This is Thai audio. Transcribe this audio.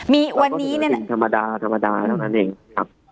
มีวันนี้แล้วก็คือสิ่งธรรมดาแล้วนั่นเองครับ